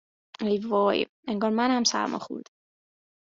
ای وای انگار من هم سرما خوردهام